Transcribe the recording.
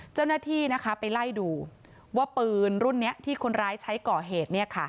เจ้าหน้าที่ไปไล่ดูว่าปืนรุ่นนี้ที่คนร้ายใช้ก่อเหตุ